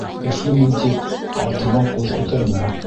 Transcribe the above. Көслөмөн, тип, атыңа ҡул күтәрмә.